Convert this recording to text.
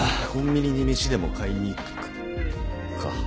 コンビニに飯でも買いに行くか。